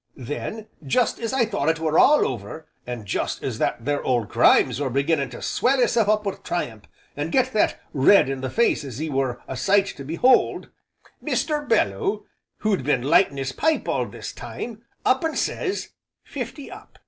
Then jest as I thought it were all over, an' jest as that there Old Grimes were beginning to swell hisself up wi' triumph, an' get that red in the face as 'e were a sight to behold, Mr. Belloo, who'd been lightin' 'is pipe all this time, up and sez, 'Fifty up!'